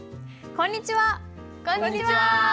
こんにちは！